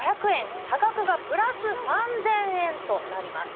差額がプラス３０００円となります。